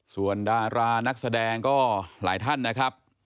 ส่วนดารานักแสดงก็หลายท่านนะครับ